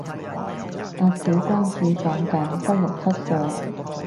阿小公主講緊得六七歲